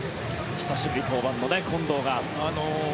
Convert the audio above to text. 久しぶりに登板の近藤が。